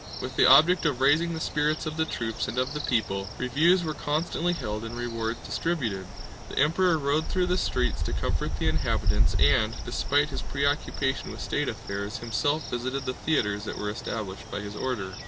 With the object of raising the spirits of the troops and of the people, reviews were constantly held and rewards distributed. The Emperor rode through the streets to comfort the inhabitants, and, despite his preoccupation with state affairs, himself visited the theaters that were established by his order.